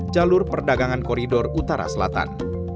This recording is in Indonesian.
jalur perdagangan koridor utara selatan